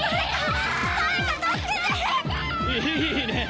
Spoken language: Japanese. いいねえ